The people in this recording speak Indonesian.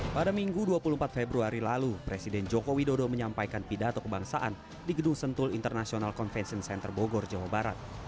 pada minggu dua puluh empat februari lalu presiden joko widodo menyampaikan pidato kebangsaan di gedung sentul international convention center bogor jawa barat